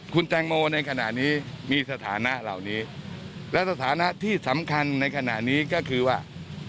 คุณแตงโมในขณะนี้มีสถานะเหล่านี้และสถานะที่สำคัญในขณะนี้ก็คือว่า